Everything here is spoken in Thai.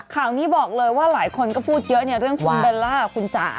ข่าวนี้บอกเลยว่าหลายคนก็พูดเยอะเนี่ยเรื่องคุณเบลล่าคุณจ๋า